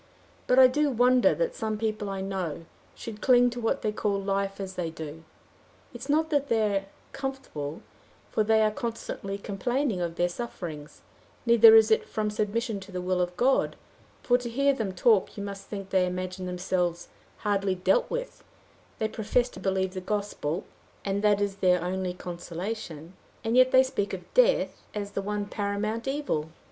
But I do wonder that some people I know, should cling to what they call life as they do. It is not that they are comfortable, for they are constantly complaining of their sufferings; neither is it from submission to the will of God, for to hear them talk you must think they imagine themselves hardly dealt with; they profess to believe the Gospel, and that it is their only consolation; and yet they speak of death as the one paramount evil.